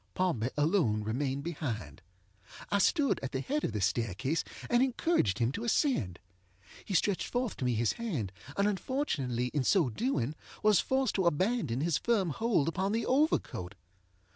Pompey alone remained behind. I stood at the head of the staircase, and encouraged him to ascend. He stretched forth to me his hand, and unfortunately in so doing was forced to abandon his firm hold upon the overcoat.